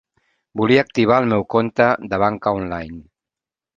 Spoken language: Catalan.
Volia activar el meu compte de banca online.